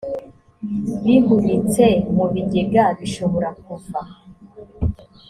bihunitse mu bigega bishobora kuva